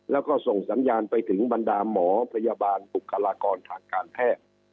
แล้วก็ส่งสัญญาณไปถึงบรรดาหมอพยาบาลบุคลากรทางการแพทย์